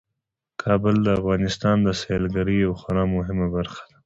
کابل د افغانستان د سیلګرۍ یوه خورا مهمه برخه ده.